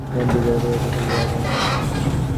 তাতে পূজারি ও পূজিত দুইয়েরই অপমানের একশেষ।